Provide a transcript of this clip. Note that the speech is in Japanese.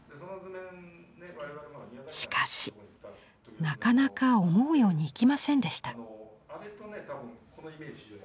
しかしなかなか思うようにいきませんでした。